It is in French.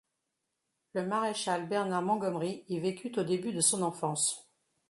Le maréchal Bernard Montgomery y vécut au début de son enfance.